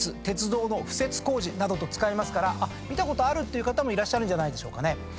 鉄道の敷設工事などと使いますから見たことあるという方もいるんじゃないでしょうかね。